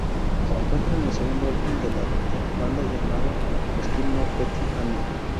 Se encuentra en el segundo álbum de la banda llamado "Still Not Getting Any...".